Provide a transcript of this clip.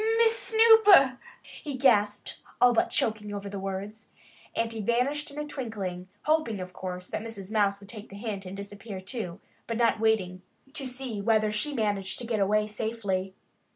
"Miss Snooper!" he gasped, all but choking over the words. And he vanished in a twinkling, hoping, of course, that Mrs. Mouse would take the hint and disappear too, but not waiting to see whether she managed to get away safely.